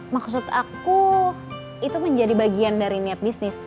maksud aku itu menjadi bagian dari niat bisnis